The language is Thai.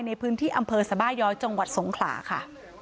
ในพื้นที่อำเภอสบาย้อยจังหวัดสงขลาค่ะ